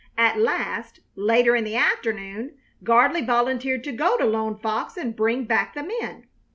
At last, later in the afternoon, Gardley volunteered to go to Lone Fox and bring back the men.